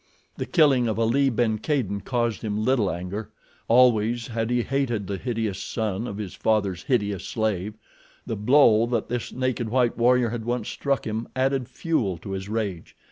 The killing of Ali ben Kadin caused him little anger—always had he hated the hideous son of his father's hideous slave. The blow that this naked white warrior had once struck him added fuel to his rage.